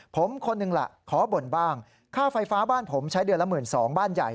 ผมคนหนึ่งล่ะขอบ่นบ้างค่าไฟฟ้าบ้านผมใช้เดือนละ๑๒๐๐บ้านใหญ่